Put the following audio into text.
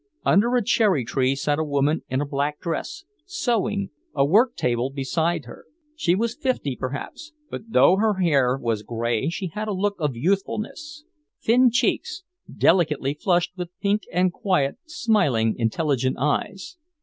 Under a cherry tree sat a woman in a black dress, sewing, a work table beside her. She was fifty, perhaps, but though her hair was grey she had a look of youthfulness; thin cheeks, delicately flushed with pink, and quiet, smiling, intelligent eyes.